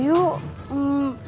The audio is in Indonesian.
ya udah yuk